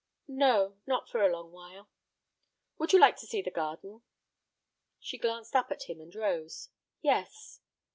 "No, not for a long while." "Would you like to see the garden?" She glanced up at him and rose. "Yes."